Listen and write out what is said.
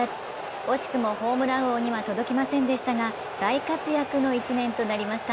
惜しくもホームラン王には届きませんでしたが、大活躍の１年となりました。